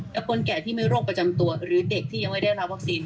และคนแก่ที่มีโรคประจำตัวหรือเด็กที่ยังไม่ได้รับวัคซีน